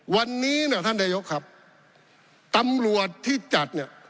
วันนี้เนี่ยท่านนายกครับตำรวจที่จัดเนี่ย